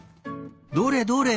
どれどれ？